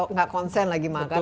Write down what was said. nggak konsen lagi makan